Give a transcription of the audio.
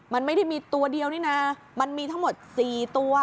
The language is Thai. มันไม่ได้มีตัวเดียวนี่นะมันมีทั้งหมด๔ตัว